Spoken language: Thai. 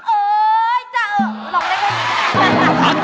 เอ๊ยจ้ะเอ่อลองได้ก็อย่างนี้